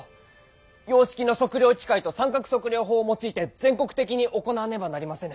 洋式の測量器械と三角測量法を用いて全国的に行わねばなりませぬ。